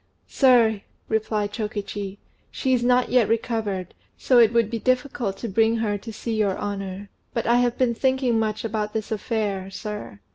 "Sir," replied Chokichi, "she is not yet recovered; so it would be difficult to bring her to see your honour. But I have been thinking much about this affair, sir.